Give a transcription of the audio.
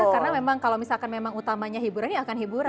karena memang kalau misalkan memang utamanya hiburan ini akan hiburan